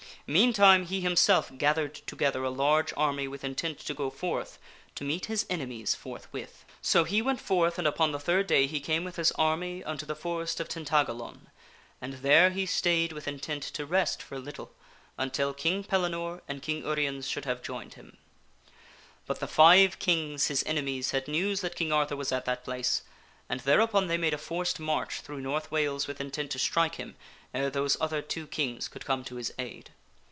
Meantime he himself gathered together a large army with intent to go forth to meet his enemies forthwith. So he went forth and upon the third day he came with his army unto the forest of Tintagalon and there he stayed with intent to rest for a little King Arthur until King Pellinore and King Uriens should have joined him. asketh aid of But the five kings, his enemies, had news that King Arthur and g of King was at that place, and thereupon they made a forced march Pellinore. through North Wales with intent to strike him ere those other two kings could come to his aid.